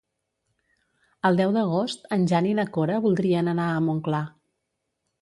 El deu d'agost en Jan i na Cora voldrien anar a Montclar.